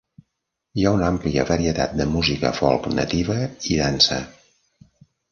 Hi ha una àmplia varietat de música folk nativa i dansa.